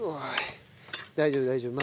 大丈夫大丈夫。